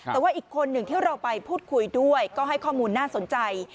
แต่ว่าอีกคนหนึ่งที่เราไปพูดคุยด้วยก็ให้ข้อมูลน่าสนใจ